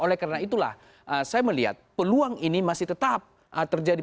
oleh karena itulah saya melihat peluang ini masih tetap terjadi